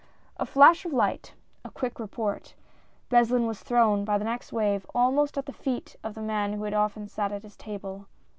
A flash of light, a quick report Beslin was thrown, by the next wave, almost at the feet of the man who had often sat at his table.